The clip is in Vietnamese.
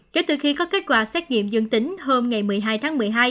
kể từ khi có kết quả xét nghiệm dương tính hôm một mươi hai tháng một mươi hai